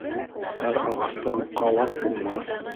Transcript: Һәр ағастан ҡалаҡ булмаҫ.